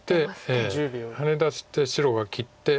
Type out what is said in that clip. ハネ出して白が切って。